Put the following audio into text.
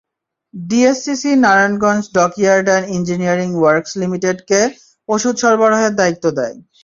DSCC Narayanganj dockyard and engineering works লিমিটেডকে ওষুধ সরবরাহের দায়িত্ব দেয়।